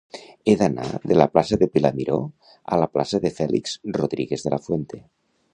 He d'anar de la plaça de Pilar Miró a la plaça de Félix Rodríguez de la Fuente.